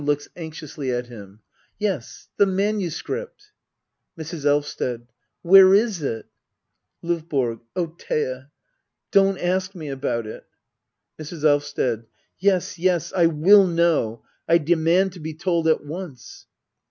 [Looks anxiously at himJ] Yes^ the manu script ? Mrs. Elvsted. Where is it } Lovborg. Oh Thea — don't ask me about it ! Mrs. Elvsted. Yes, yes, I will know. I demand to be told at once.